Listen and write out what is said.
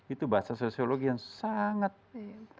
itu bahasa sosiologi yang sangat